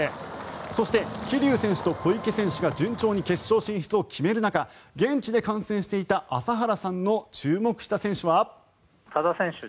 そして、桐生選手と小池選手が順調に決勝進出を決める中現地で観戦していた朝原さんの注目した選手は。